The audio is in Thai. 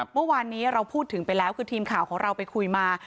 เมื่อวานนี้เราพูดถึงไปแล้วคือทีมข่าวของเราไปคุยมา